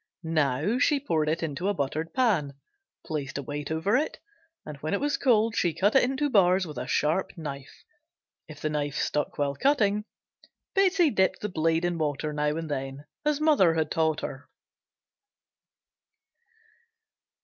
Now she poured it into a buttered pan, placed a weight over it, and when cold cut into bars with a sharp knife. If the knife stuck while cutting, Betsey dipped the blade in water now and then, as mother had taught her.